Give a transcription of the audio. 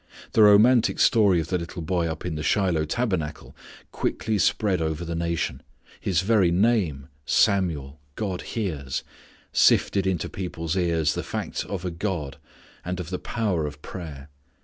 The romantic story of the little boy up in the Shiloh tabernacle quickly spread over the nation. His very name Samuel, God hears sifted into people's ears the facts of a God, and of the power of prayer.